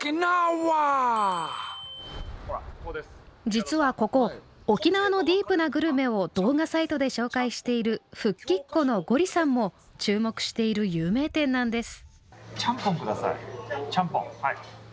実はここ沖縄のディープなグルメを動画サイトで紹介している復帰っ子のゴリさんも注目している有名店なんです。